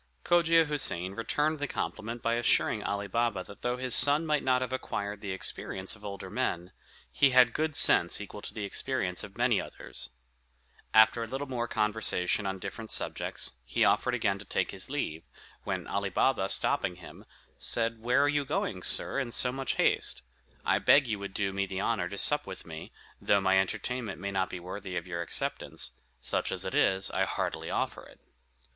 Cogia Houssain returned the compliment by assuring Ali Baba that though his son might not have acquired the experience of older men, he had good sense equal to the experience of many others. After a little more conversation on different subjects, he offered again to take his leave, when Ali Baba, stopping him, said, "Where are you going, sir, in so much haste? I beg you would do me the honor to sup with me, though my entertainment may not be worthy of your acceptance; such as it is, I heartily offer it."